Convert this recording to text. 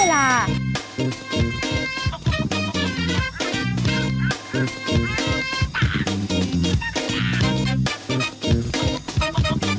เผาไทยไทยสดกว่าไทยใหม่กว่าเดิม